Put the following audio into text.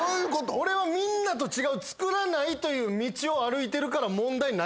俺はみんなと違う作らないという道を歩いてるから問題ないねん。